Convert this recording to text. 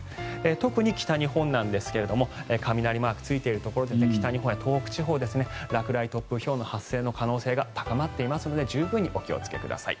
特に北日本なんですが雷マークがついているところ北日本や東北地方落雷、突風ひょうの発生の可能性が高まっていますので十分にお気をつけください。